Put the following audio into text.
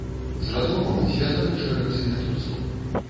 З разломам звязаны шэраг землятрусаў.